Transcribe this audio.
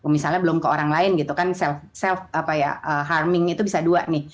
misalnya belum ke orang lain gitu kan self apa ya harming itu bisa dua nih